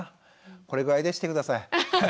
これぐらいでして下さい。